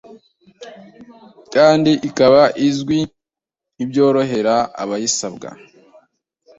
kandi ikaba izwi ntibyorohera abayisabwa